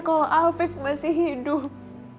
kalau afin masih hidup